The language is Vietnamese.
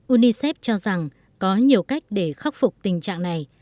unicef cho rằng có nhiều cách để khắc phục tình trạng này